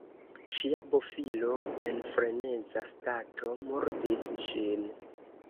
Ŝia bofilo (en freneza stato) murdis ŝin.